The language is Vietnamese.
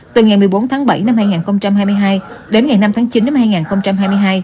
từ ngày một mươi bốn tháng bảy năm hai nghìn hai mươi hai đến ngày năm tháng chín năm hai nghìn hai mươi hai